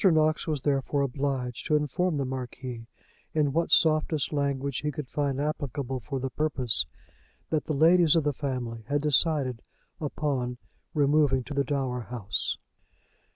Knox was therefore obliged to inform the Marquis in what softest language he could find applicable for the purpose that the ladies of the family had decided upon removing to the dower house.